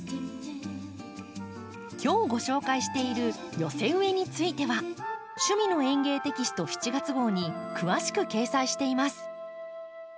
今日ご紹介している寄せ植えについては「趣味の園芸」テキスト７月号に詳しく掲載しています。